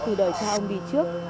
từ đời cha ông đi trước